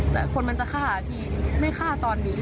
แต่คนมันจะฆ่าพี่ไม่ฆ่าตอนนี้